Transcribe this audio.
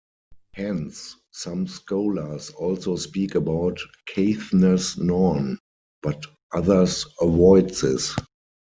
Hence, some scholars also speak about "Caithness Norn", but others avoid this.